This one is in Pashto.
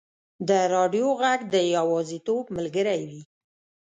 د راډیو ږغ د یوازیتوب ملګری وي.